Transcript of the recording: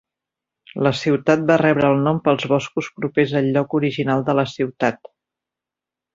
La ciutat va rebre el nom pels boscos propers al lloc original de la ciutat.